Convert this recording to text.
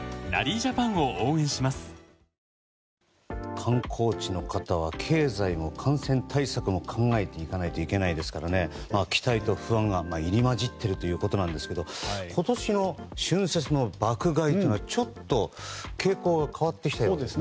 観光地の方は経済も感染対策も考えていかないといけないですから期待と不安が入り混じっているということなんですけれども今年の春節の爆買いというのはちょっと傾向が変わってきたようですね。